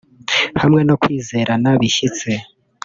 hamwe no kwizerana bishyitse